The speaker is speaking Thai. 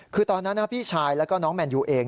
คือตอนนั้นพี่ชายแล้วก็น้องแมนยูเอง